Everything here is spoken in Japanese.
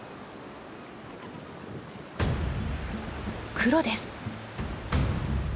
クロです。